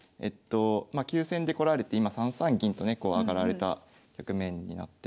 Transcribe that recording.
急戦で来られて今３三銀とね上がられた局面になってまして。